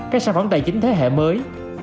các sản phẩm tài chính thế hệ mới